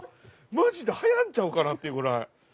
マジで流行んちゃうかなっていうぐらい。